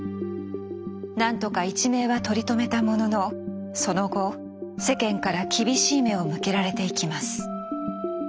何とか一命は取り留めたもののその後世間から厳しい目を向けられていきます。